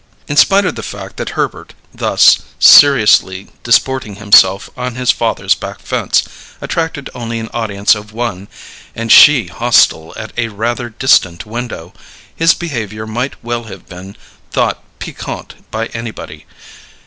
In spite of the fact that Herbert, thus seriously disporting himself on his father's back fence, attracted only an audience of one (and she hostile at a rather distant window) his behaviour might well have been thought piquant by anybody.